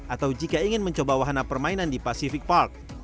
atau jika ingin mencoba wahana permainan di pacific park